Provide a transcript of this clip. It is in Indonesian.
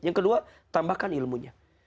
yang kedua tambahkan ilmunya